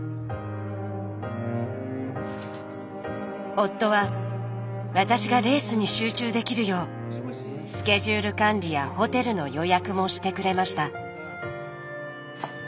夫は私がレースに集中できるようスケジュール管理やホテルの予約もしてくれました。